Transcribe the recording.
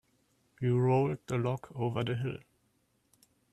We rolled the log over the hill.